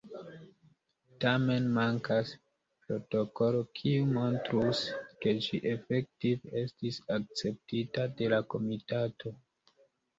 Tamen mankas protokolo kiu montrus, ke ĝi efektive estis akceptita de la komitato.